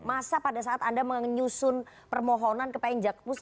masa pada saat anda menyusun permohonan ke pn jakpus